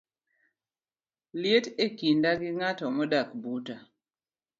liet e kinda gi ng'at modak buta